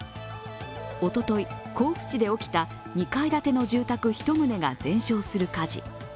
おととい、甲府市で起きた２階建ての住宅１棟が全焼する火事。